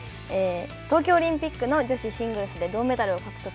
東京オリンピックの女子シングルスで銅メダルを獲得